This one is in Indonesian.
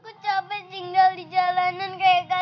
ibu segera ninggalin kita